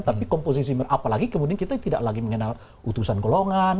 tapi komposisi apalagi kemudian kita tidak lagi mengenal utusan golongan